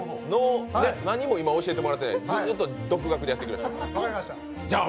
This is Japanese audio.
何も今、教えてもらってない、ずっと独学でやってらっしゃる。